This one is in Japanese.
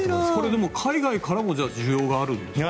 でも海外からも需要があるんですか。